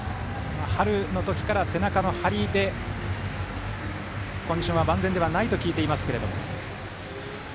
春の時から、背中の張りでコンディションは万全ではないと聞いていますけれども。